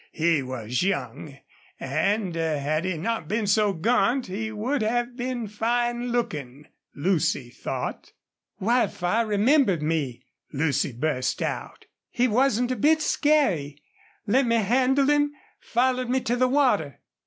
He was young, and, had he not been so gaunt, he would have been fine looking, Lucy thought. "Wildfire remembered me," Lucy burst out. "He wasn't a bit scary. Let me handle him. Followed me to water."